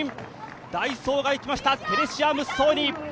ダイソーがいきました、テレシア・ムッソーニ。